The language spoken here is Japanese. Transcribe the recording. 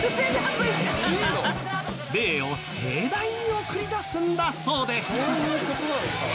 霊を盛大に送り出すんだそうです。